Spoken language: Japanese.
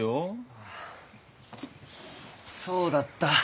ああそうだった。